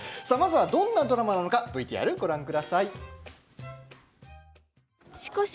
どんなドラマなのかＶＴＲ、ご覧ください。